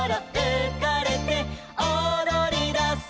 「おどりだす」